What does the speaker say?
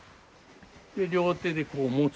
両手でこう持つ？